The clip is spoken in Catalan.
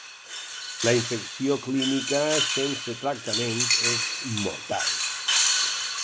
La infecció clínica sense tractament és mortal.